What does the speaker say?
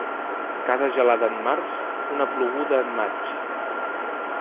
Cada gelada en març, una ploguda en maig.